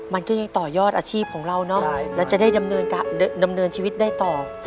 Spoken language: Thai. มันก็ยังต่อยอดอาชีพของเราเนอะแล้วจะได้ดำเนินชีวิตได้ต่อ